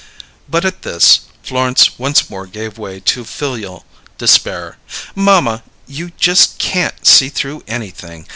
But at this, Florence once more gave way to filial despair. "Mamma, you just can't see through anything!